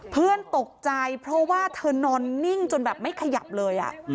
เพื่อนตกใจเพราะว่าเธอนอนนิ่งจนแบบไม่ขยับเลย